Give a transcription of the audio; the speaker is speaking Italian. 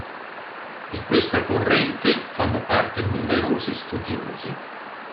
Di questa corrente fanno parte numerosi studiosi.